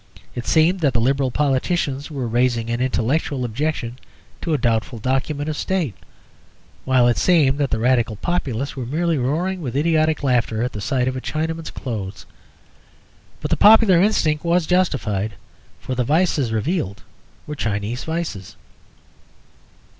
It seemed that the Liberal politicians were raising an intellectual objection to a doubtful document of State; while it seemed that the Radical populace were merely roaring with idiotic laughter at the sight of a Chinaman's clothes. But the popular instinct was justified, for the vices revealed were Chinese vices.